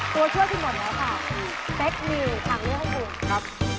เฟคมีขังเลือกให้คุณ